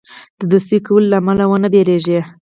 د دوستی کولو له امله ونه ډاریږي.